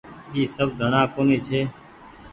اي سب ڌڻآ ڪونيٚ ڇي۔